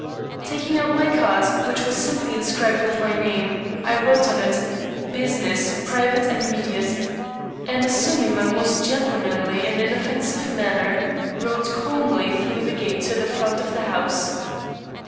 Taking out my card, which was simply inscribed with my name, I wrote on it, "Business private and immediate," and assuming my most gentlemanly and inoffensive manner, rode calmly through the gate to the front of the house.